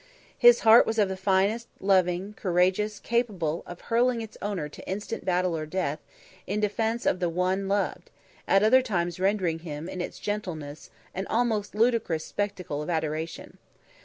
His heart was of the finest, honest, loving, courageous, capable of hurling its owner to instant battle or death, in defence of the one loved, at other times rendering him, in its gentleness, an almost ludicrous spectacle of adoration.